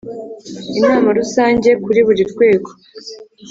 Inama Rusange kuri buri rwego